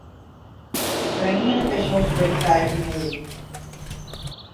Ukrainian officials criticized the move.